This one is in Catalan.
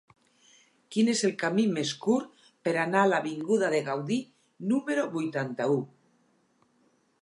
Quin és el camí més curt per anar a l'avinguda de Gaudí número vuitanta-u?